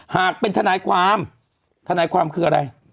หากเป็นทนายความทนายความคืออะไร